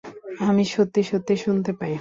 আমি সত্যি সত্যি শুনতে পাই।